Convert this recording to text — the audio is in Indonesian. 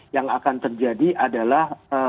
yang akan terjadi adalah